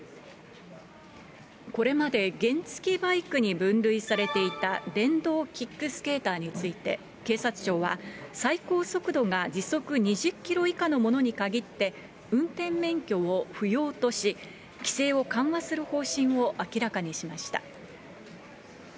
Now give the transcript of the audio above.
これまで原付きバイクに分類されていた、電動キックスケーターについて、警察庁は、最高速度が時速２０キロ以下のものに限って、運転免許を不要とし、規制を緩和する方針を明らかにしました。